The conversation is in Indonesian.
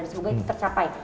semoga itu tercapai